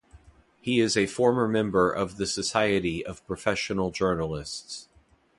He is a former member of the Society of Professional Journalists.